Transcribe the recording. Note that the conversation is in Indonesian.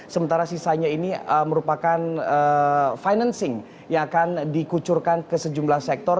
sementara sisanya ini merupakan financing yang akan dikucurkan ke sejumlah sektor